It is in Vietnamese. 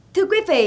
thưa quý vị